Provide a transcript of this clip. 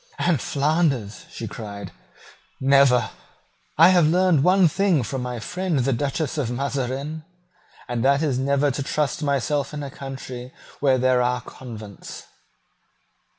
"And Flanders," she cried; "never! I have learned one thing from my friend the Duchess of Mazarin; and that is never to trust myself in a country where there are convents."